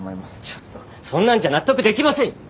ちょっとそんなんじゃ納得できませんよ。